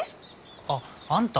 あっあんた。